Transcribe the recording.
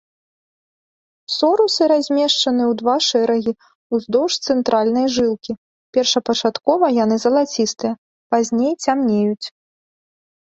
Сорусы размешчаны ў два шэрагі ўздоўж цэнтральнай жылкі, першапачаткова яны залацістыя, пазней цямнеюць.